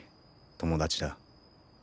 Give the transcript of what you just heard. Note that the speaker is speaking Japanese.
友達だ。